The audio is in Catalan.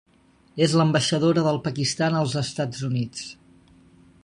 És l'ambaixadora del Pakistan als Estats Units.